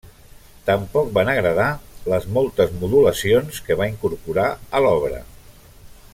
Tampoc van agradar les moltes modulacions que va incorporar a l'obra.